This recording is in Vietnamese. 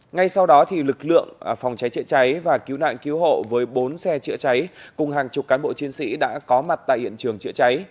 ngay sau đó lực lượng phòng cháy chữa cháy và cứu nạn cứu hộ với bốn xe chữa cháy cùng hàng chục cán bộ chiến sĩ đã có mặt tại hiện trường chữa cháy